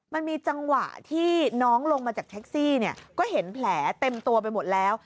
มันมีจังหวะที่น้องลงมาจากแท็กซี่เนี่ยก็เห็นแผลเต็มตัวไปหมดแล้ว